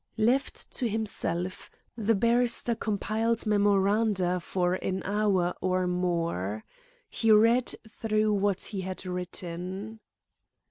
Left to himself, the barrister compiled memoranda for an hour or more. He read through what he had written.